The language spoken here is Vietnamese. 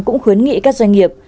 cũng khuyến nghị các doanh nghiệp